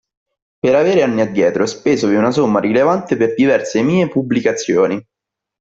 Per avere anni addietro spesovi una somma rilevante per diverse mie pubblicazioni.